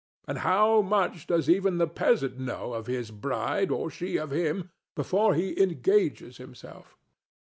And how much does even the peasant know of his bride or she of him before he engages himself?